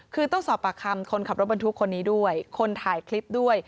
คือต้องสอบปากคำคนขับรถบรรทุกคนนี้ด้วยคนถ่ายคลิปด้วย